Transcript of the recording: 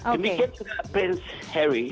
demikian juga prince harry